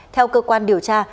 theo cơ quan điều tra